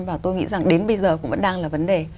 và tôi nghĩ rằng đến bây giờ cũng vẫn đang là vấn đề